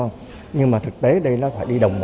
đồng bộ tự nhiên là các loại rác phải đi đồng bộ